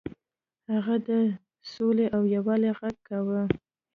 هغه د سولې او یووالي غږ کاوه.